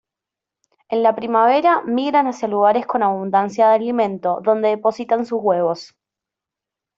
En la primavera migran hacia lugares con abundancia de alimento, donde depositan sus huevos.